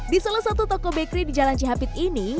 di salah satu toko bakery di jalan cihapit ini